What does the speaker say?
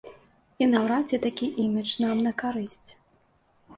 І наўрад ці такі імідж нам на карысць.